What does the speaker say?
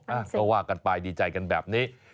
ไอ้ชามโลกก็ว่ากันไปดีใจกันแบบนี้